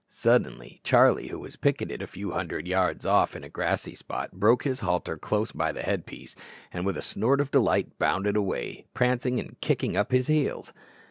Suddenly Charlie, who was picketed a few hundred yards off in a grassy spot, broke his halter close by the headpiece, and with a snort of delight bounded away, prancing and kicking up his heels!